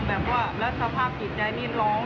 แล้วสภาพกิจใจนี่ร้อง